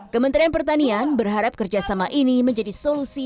kementerian pertanian berharap kerjasama ini menjadi solusi